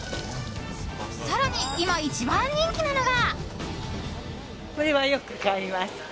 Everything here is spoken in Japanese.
更に今、一番人気なのが。